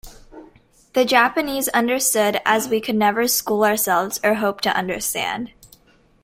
The Japanese understood as we could never school ourselves or hope to understand.